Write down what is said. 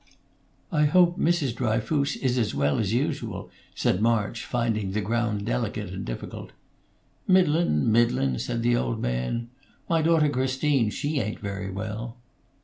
"I hope Mrs. Dryfoos is as well as usual," said March, finding the ground delicate and difficult. "Middlin', middlin'," said the old man. "My daughter Christine, she ain't very well."